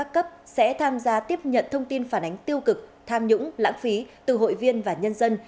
cấp sẽ tham gia tiếp nhận thông tin phản ánh tiêu cực tham nhũng lãng phí từ hội viên và nhân dân